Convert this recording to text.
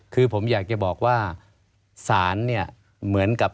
คือผมอยากจะบอกว่าสารเหมือนกับ